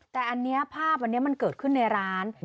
แต่อันนี้ภาพวันนี้มันเกิดขึ้นในร้าน